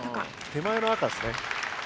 手前の赤っすね。